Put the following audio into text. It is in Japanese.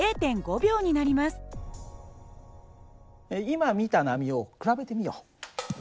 今見た波を比べてみよう。